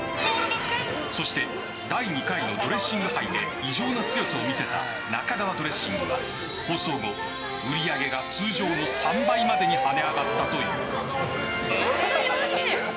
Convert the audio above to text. そして第２回のドレッシング杯で異常な強さを見せた中川ドレッシングは放送後売り上げが通常の３倍までに跳ね上がったという。